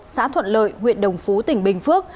xã thuận lợi huyện đồng phú tỉnh bình phước